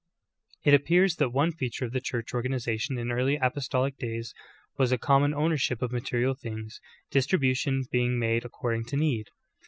It appears that one feature of the Church organization in early apostolic days was a common ownership of material things, distribution being made according to need.